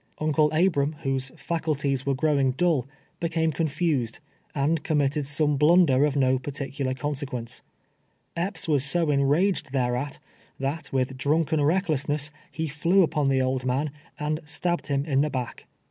Uncle Abram, whose faculties were growing dull, became confused, and committed some blunder of no particular conserpience. Epps was so enraged thereat, that, with drunken recklessness, he flew upon the old man, and stabbed him in the back.